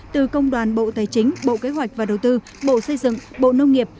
từ công đoàn bộ tài chính bộ kế hoạch và đầu tư bộ xây dựng bộ nông nghiệp